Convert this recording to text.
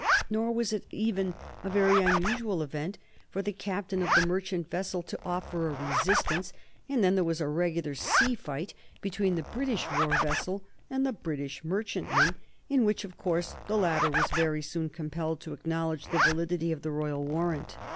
Nor was it even a very unusual event for the captain of the merchant vessel to offer a resistance, and then there was a regular sea fight between the British war ship and the British merchantman, in which, of course, the latter was very soon compelled to acknowledge the validity of the royal warrant.